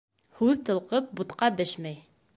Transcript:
Һүҙ тылҡып, бутҡа бешмәй.